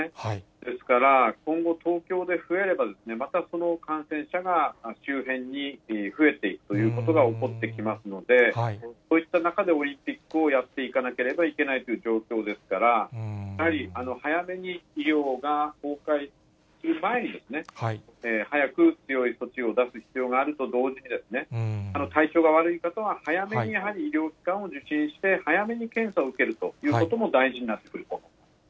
ですから、今後、東京で増えれば、またその感染者が周辺に増えていくということが起こってきますので、そういった中でオリンピックをやっていかなければいけないという状況ですから、やはり早めに医療が崩壊する前に、早く強い措置を出す必要があると同時に、体調が悪い方は早めにやはり医療機関を受診して、早めに検査を受けるということも大事になってくると。